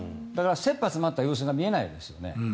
だから切羽詰まった様子が見えないですよ。